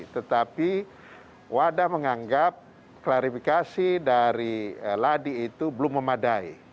tetapi wadah menganggap klarifikasi dari ladi itu belum memadai